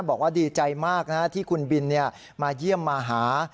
บอกว่าดีใจมากที่คุณบินมาเยี่ยมมาหา